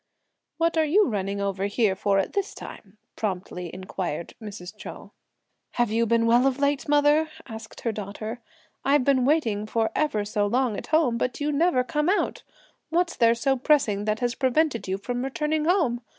"What are you running over here for at this time?" promptly inquired Mrs. Chou. "Have you been well of late, mother?" asked her daughter. "I've been waiting for ever so long at home, but you never come out! What's there so pressing that has prevented you from returning home?